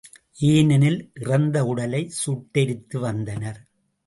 ஏனெனில் இறந்த உடலை சுட்டெரித்து வந்தனர்.